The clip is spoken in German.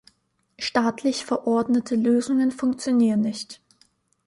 Staatlich verordnete Lösungen funktionieren nicht.